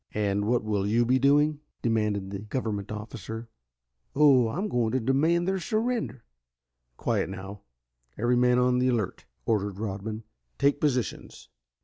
"And what will you be doing?" demanded the government officer. "Oh, I am going in to demand their surrender." "Quiet now. Every man on the alert," ordered Rodman. "Take positions."